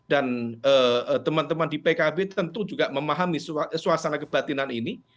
dan teman teman di pkb tentu juga memahami suasana kebatinan ini